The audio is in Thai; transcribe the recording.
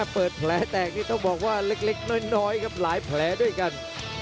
เปิดแผลแตกนี่ต้องบอกว่าเล็กน้อยครับหลายแผลด้วยกัน